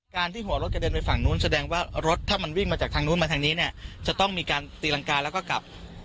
ที่หัวรถกระเด็นไปฝั่งนู้นแสดงว่ารถถ้ามันวิ่งมาจากทางนู้นมาทางนี้เนี่ยจะต้องมีการตีรังกาแล้วก็กลับ